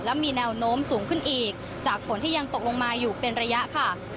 และมีแนวโน้มสูงขึ้นอีกจากฝนที่ยังตกลงมาอยู่เป็นระยะค่ะ